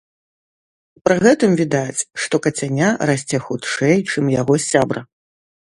Пры гэтым відаць, што кацяня расце хутчэй, чым яго сябра.